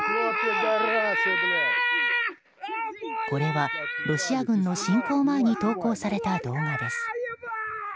これは、ロシア軍の侵攻前に投稿された動画です。